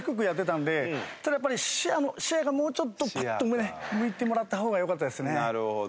ただやっぱり視野がもうちょっとパッとね向いてもらった方がよかったですね。